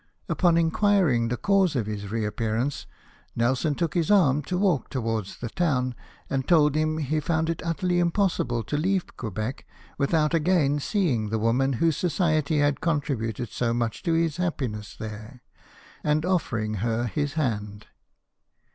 Upon inquiring the cause of this reappearance, Nelson took his arm to walk towards the to^vn, and told him he found it utterly impossible to leave* Quebec without again seeing the woman whose society had contributed so much to his happiness there, and offering her his hand.